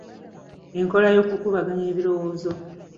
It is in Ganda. Enkola ey'okukubaganya ebirowoozo.